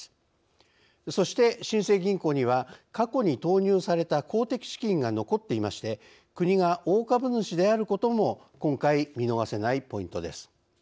そして新生銀行には過去に投入された公的資金が残っていまして国が大株主であることも今回見逃せないポイントです。